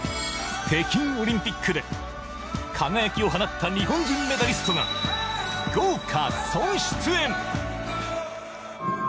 北京オリンピックで輝きを放った日本人メダリストが豪華総出演！